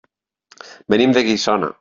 Venim de Guissona.